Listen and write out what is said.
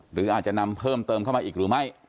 หรืออาจจะนำเพิ่มเติมเข้ามาอีกหรือไม่